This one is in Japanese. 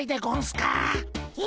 え？